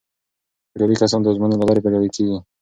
بریالي کسان د ازموینو له لارې بریالي کیږي.